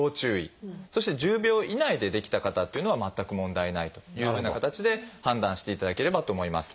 そして１０秒以内でできた方というのは全く問題ないというふうな形で判断していただければと思います。